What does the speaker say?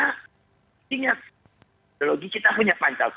kita punya ideologi kita punya pantas